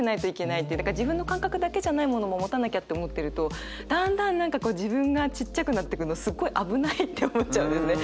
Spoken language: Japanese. だから自分の感覚だけじゃないものも持たなきゃって思ってるとだんだん何かこう自分がちっちゃくなってくのすっごい危ないって思っちゃうんですね。